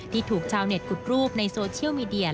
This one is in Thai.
ถูกชาวเน็ตขุดรูปในโซเชียลมีเดีย